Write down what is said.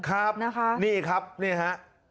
ครับนะคะนี่ครับนี่ฮะ